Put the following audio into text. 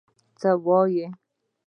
_څه وايي؟